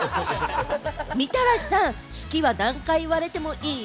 みたらしさん、好きは何か言われてもいい？